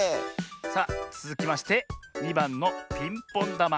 さあつづきまして２ばんのピンポンだま。